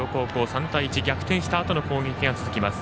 ３対１、逆転したあとの攻撃が続きます。